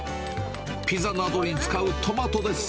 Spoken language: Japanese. ピザなどに使うトマトです。